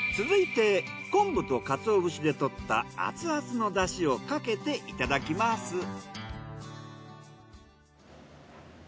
続いて昆布とかつお節で取ったアツアツのだしをかけていただきます。